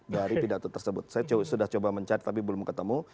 dari pidato tersebut saya sudah coba mencari tapi belum ketemu